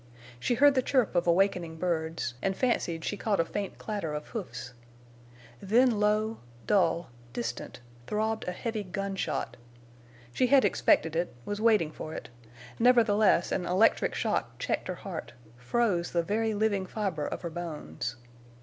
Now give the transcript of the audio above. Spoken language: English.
She heard the chirp of awakening birds, and fancied she caught a faint clatter of hoofs. Then low, dull distant, throbbed a heavy gunshot. She had expected it, was waiting for it; nevertheless, an electric shock checked her heart, froze the very living fiber of her bones.